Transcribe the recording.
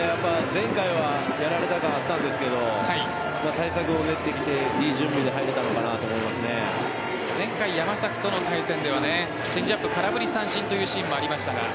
前回はやられた感あったんですが対策を練ってきていい準備に入れたのかなと前回、山崎との対戦ではチェンジアップ空振り三振というシーンもありましたが。